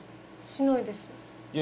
しないですいや